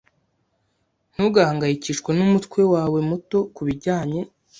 Ntugahangayikishwe numutwe wawe muto kubijyanye.